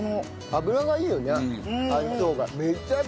油がいいよね相性が。